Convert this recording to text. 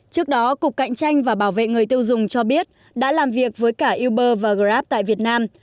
trước đó cục cạnh tranh và bảo vệ người tiêu dùng cho biết đã làm việc với cả uber và grab tại việt nam